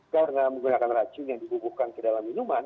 karena menggunakan racun yang dibubuhkan ke dalam minuman